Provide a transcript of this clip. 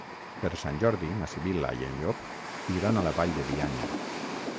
Per Sant Jordi na Sibil·la i en Llop iran a la Vall de Bianya.